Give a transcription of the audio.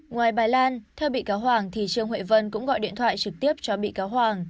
ngoài bài lan theo bị cáo hoàng thì trương huệ vân cũng gọi điện thoại trực tiếp cho bị cáo hoàng